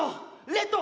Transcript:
レッド！